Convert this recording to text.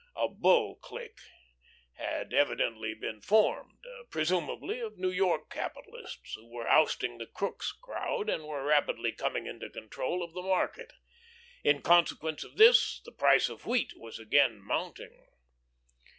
A "Bull" clique had evidently been formed, presumably of New York capitalists, who were ousting the Crookes crowd and were rapidly coming into control of the market. In consequence of this the price of wheat was again mounting.